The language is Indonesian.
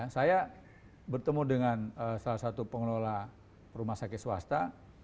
saya bertemu dengan salah satu pengelola rumah sakit swasta